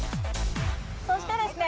そしてですね